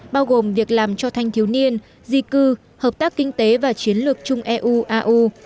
bao gồm việc làm cho thanh thiếu niên di cư hợp tác kinh tế và chiến lược chung eu au